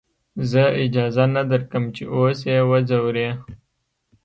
زه اجازه نه درکم چې اوس يې وځورې.